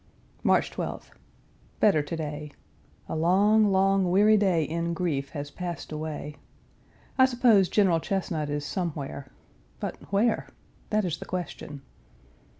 March 12th. Better to day. A long, long weary day in grief has passed away. I suppose General Chesnut is somewhere but where? that is the question.